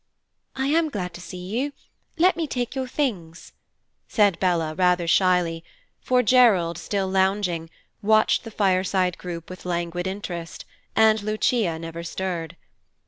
"I am glad to see you. Let me take your things," said Bella, rather shyly, for Gerald, still lounging, watched the fireside group with languid interest, and Lucia never stirred.